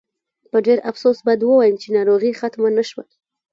په ډېر افسوس باید ووایم چې ناروغي ختمه نه شوه.